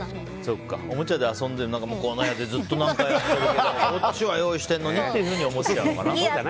おもちゃで遊んで向こうの部屋でずっと何かやってるけどこっちは用意してるのにって思っちゃうのかな。